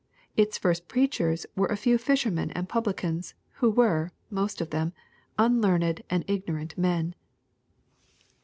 — ^Its first preachers were a few fishermen and publicans, wh*o were, most of them, unlearned and ignorant men.